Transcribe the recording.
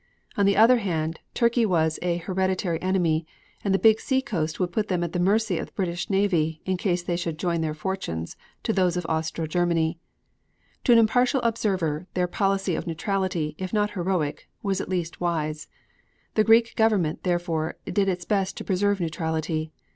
On the other hand, Turkey was an hereditary enemy, and the big sea coast would put them at the mercy of the British navy in case they should join their fortunes to those of Austro Germany. To an impartial observer their policy of neutrality, if not heroic, was at least wise. The Greek Government, therefore, did its best to preserve neutrality.